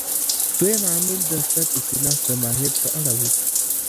دویم عامل د ستر اېتلاف د ماهیت په اړه و.